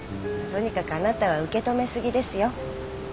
とにかくあなたは受け止め過ぎですよ。